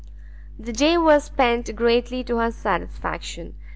The day was spent greatly to her satisfaction.